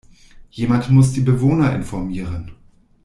Jemand muss die Bewohner informieren.